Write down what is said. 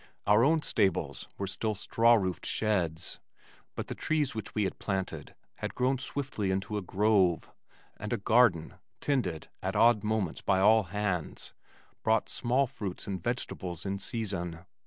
Our own stables were still straw roofed sheds, but the trees which we had planted had grown swiftly into a grove, and a garden, tended at odd moments by all hands, brought small fruits and vegetables in season.